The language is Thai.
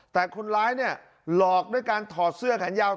แต่คนร้ายเนี่ยหลอกด้วยการถอดเสื้อแขนยาว